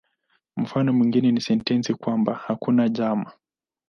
Mfano mwingine ni sentensi kwamba "hakuna njama".